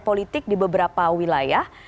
politik di beberapa wilayah